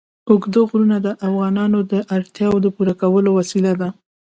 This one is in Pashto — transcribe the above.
اوږده غرونه د افغانانو د اړتیاوو د پوره کولو وسیله ده.